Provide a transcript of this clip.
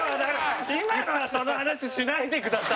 今のはその話、しないでください。